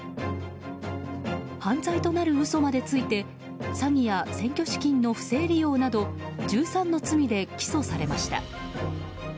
犯罪となる嘘までついて詐欺や選挙資金の不正利用など１３の罪で起訴されました。